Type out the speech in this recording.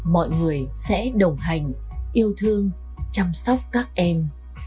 mọi người sẽ đồng hành yêu thương chăm sóc các em